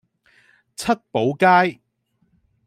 七寶街